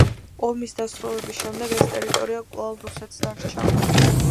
ომის დასრულების შემდეგ, ეს ტერიტორია კვლავ რუსეთს დარჩა.